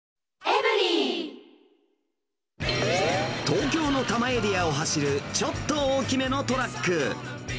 東京の多摩エリアを走るちょっと大きめのトラック。